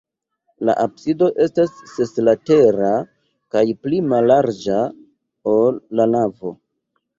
La absido estas seslatera kaj pli mallarĝa, ol la navo.